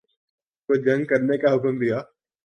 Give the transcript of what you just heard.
کو جنگ کرنے کا حکم دیا